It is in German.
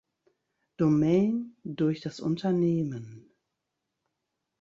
Domain durch das Unternehmen.